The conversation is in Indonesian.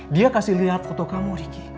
dia kasih liat foto kamu